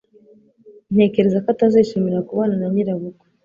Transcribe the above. Ntekereza ko atazishimira kubana na nyirabukwe.